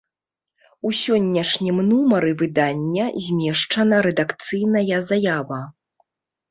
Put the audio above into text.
У сённяшнім нумары выдання змешчана рэдакцыйная заява.